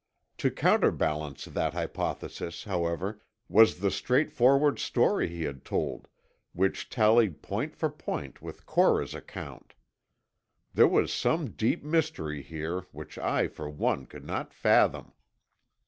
To counterbalance that hypothesis, however, was the straightforward story he had told, which tallied point for point with Cora's account. There was some deep mystery here which I for one could not fathom.